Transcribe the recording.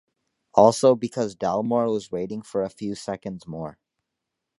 Also because Dalmor was waiting for a few seconds more